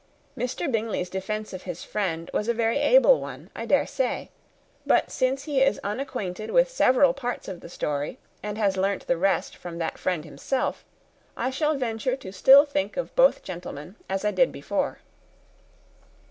Mr. Bingley's defence of his friend was a very able one, I dare say; but since he is unacquainted with several parts of the story, and has learnt the rest from that friend himself, I shall venture still to think of both gentlemen as I did before."